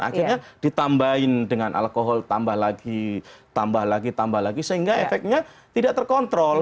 akhirnya ditambahin dengan alkohol tambah lagi tambah lagi tambah lagi sehingga efeknya tidak terkontrol